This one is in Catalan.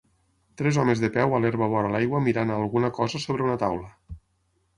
Tres homes de peu a l'herba vora l'aigua mirant a alguna cosa sobre una taula